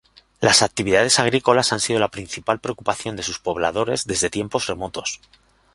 Las actividades agrícolas han sido la principal ocupación de sus pobladores desde tiempos remotos.